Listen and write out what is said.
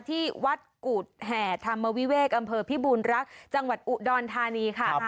ที่วัดกุฎแห่ธรรมวิเวกอำเภอพิบูรณรักษ์จังหวัดอุดรธานีค่ะ